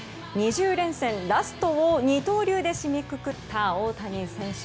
２０連戦ラストを二刀流で締めくくった大谷選手。